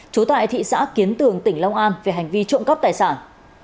trú tại thị xã kiến tường tỉnh long an về hành vi trộm cắp tài sản